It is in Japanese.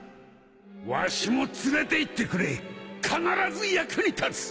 わしも連れていってくれ必ず役に立つ！